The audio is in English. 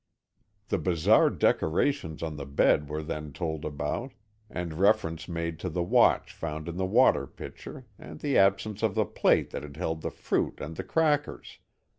The bizarre decorations on the bed were then told about, and reference made to the watch found in the water pitcher and the absence of the plate that had held the fruit and the crackers.